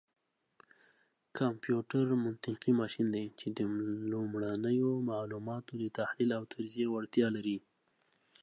کمپيوټر منطقي ماشين دی، چې د لومړنيو معلوماتو دتحليل او تجزيې وړتيا لري.